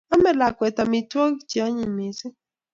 Amei lakwet amitwogik che anyiny mising